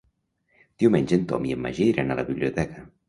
Diumenge en Tom i en Magí iran a la biblioteca.